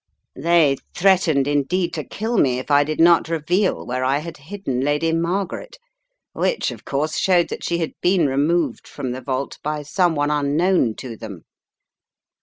They threatened indeed to kill me if I did not reveal where I had hidden Lady Margaret, which, of course, showed that she had been removed from the vault by someone unknown to them.